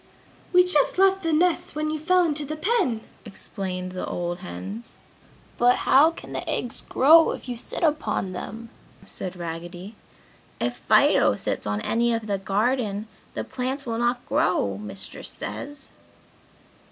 "We just left the nests when you fell into the pen!" explained the old hens. "But how can the eggs grow if you sit upon them?" said Raggedy. "If Fido sits on any of the garden, the plants will not grow, Mistress says!"